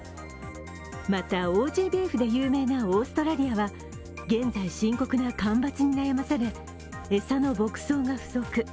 また、オージー・ビーフで有名なオーストラリアは現在、深刻な干ばつに悩まされ餌の牧草が不足。